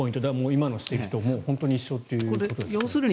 今の指摘と本当に一緒ということですね。